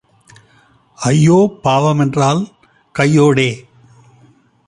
ஐயோ பாவ மென்றால் கையோடே.